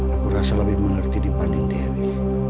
aku rasa lebih mengerti dibanding dewi